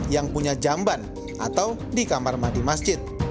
yang punya jamban atau di kamar mandi masjid